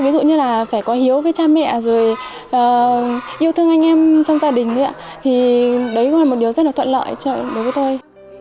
ví dụ như là phải có hiếu với cha mẹ rồi yêu thương anh em trong gia đình thì đấy cũng là một điều rất là thuận lợi đối với tôi